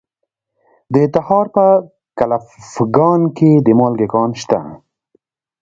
د تخار په کلفګان کې د مالګې کان شته.